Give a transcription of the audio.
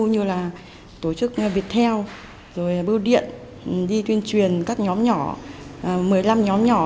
như là tổ chức việt theo bưu điện đi tuyên truyền các nhóm nhỏ một mươi năm nhóm nhỏ